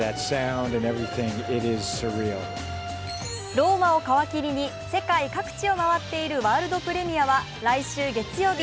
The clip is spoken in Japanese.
ローマを皮切りに世界各地を回っているワールドプレミアは来週月曜日